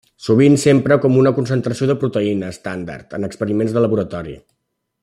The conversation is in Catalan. Sovint s'empra com a una concentració de proteïna estàndard en experiments de laboratori.